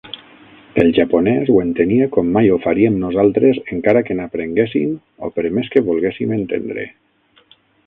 El japonès ho entenia com mai ho faríem nosaltres encara que n'aprenguéssim o per més que volguéssim entendre.